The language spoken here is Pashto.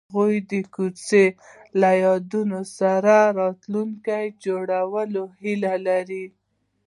هغوی د کوڅه له یادونو سره راتلونکی جوړولو هیله لرله.